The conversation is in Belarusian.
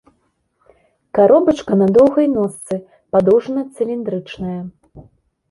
Каробачка на доўгай ножцы, падоўжана-цыліндрычная.